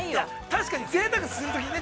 ◆確かにぜいたくするときにね。